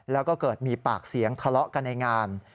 แล้วก็เกิดมีปากเสียงทะเลาะกันในงาน